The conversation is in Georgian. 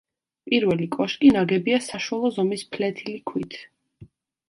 პირველი კოშკი ნაგებია საშუალო ზომის ფლეთილი ქვით.